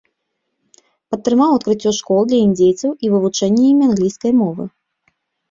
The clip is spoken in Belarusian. Падтрымаў адкрыццё школ для індзейцаў і вывучэнне імі англійскай мовы.